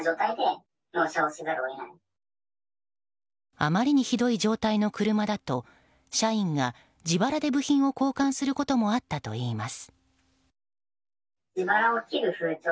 あまりにひどい状態の車だと社員が自腹で部品を交換することもあったといいます。